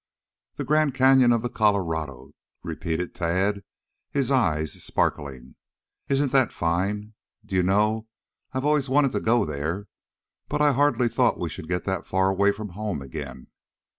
"The Grand Canyon of the Colorado?" repeated Tad, his eyes sparkling. "Isn't that fine? Do you know, I have always wanted to go there, but I hardly thought we should get that far away from home again.